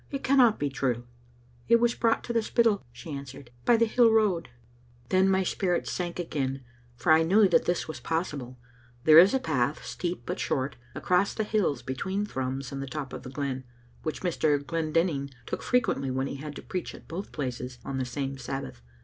It cannot be true." " It was brought to the Spittal, " she answered, " by the hill road." Digitized by VjOOQ IC tivBt 5outnei3 to TTbrumd* 388 Then my spirits sank again, for I knew that this was possible. There is a path, steep but short, across the hills between Thrums and the top of the glen, which Mr. Glendinning took frequently when he had to preach at both places on the same Sabbath.